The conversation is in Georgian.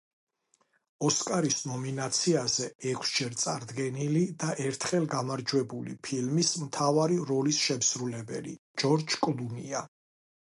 ოსკარის ნომინაციაზე, ექვსჯერ წარდგენილი და ერთხელ გამარჯვებული ფილმის მთავარი როლის შემსრულებელი ჯორჯ კლუნია.